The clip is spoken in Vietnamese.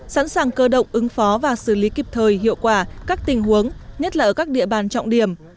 sẵn sàng cơ động ứng phó và xử lý kịp thời hiệu quả các tình huống nhất là ở các địa bàn trọng điểm